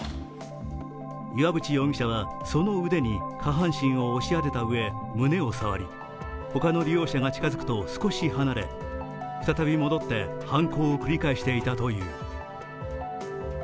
岩渕容疑者はその腕に下半身を押し当てたうえ、胸を触り他の利用者が近づくと、少し離れ、再び戻って犯行を繰り返していたという。